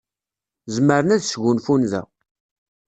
Zemren ad sgunfun da.